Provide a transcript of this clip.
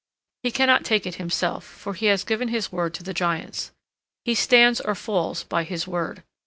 He cannot take it himself, for he has given his word to the giants. He stands or falls by his word.